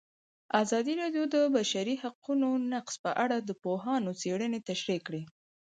ازادي راډیو د د بشري حقونو نقض په اړه د پوهانو څېړنې تشریح کړې.